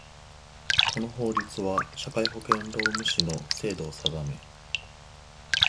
この法律は、社会保険労務士の制度を定め